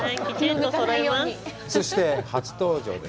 そして、初登場です。